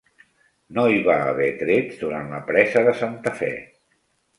No hi va haver trets durant la presa de Santa Fe.